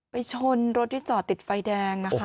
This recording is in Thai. ชนรถที่จอดติดไฟแดงนะคะ